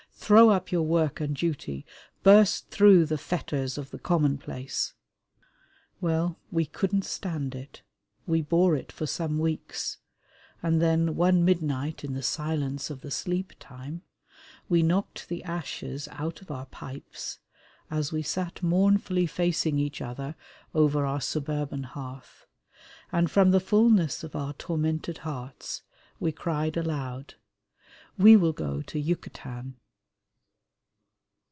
"Throw up your work and duty. Burst through the fetters of the commonplace!" Well, we couldn't stand it. We bore it for some weeks, and then "one midnight in the silence of the sleeptime" we knocked the ashes out of our pipes, as we sat mournfully facing each other over our suburban hearth, and from the fullness of our tormented hearts we cried aloud, "We will go to Yucatan!"